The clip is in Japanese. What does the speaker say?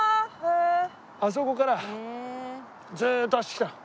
あそこからずっと走ってきた。